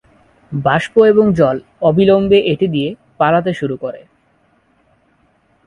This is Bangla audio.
বাষ্প এবং জল অবিলম্বে এটি দিয়ে পালাতে শুরু করে।